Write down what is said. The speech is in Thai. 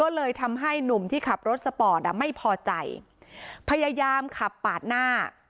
ก็เลยทำให้หนุ่มที่ขับรถสปอร์ตอ่ะไม่พอใจพยายามขับปาดหน้า